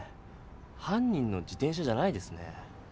犯人の自転車じゃないですね。